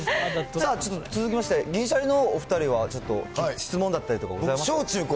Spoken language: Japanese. ちょっと続きまして、銀シャリのお２人は、ちょっと質問だったりとかございますか？